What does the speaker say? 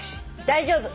大丈夫！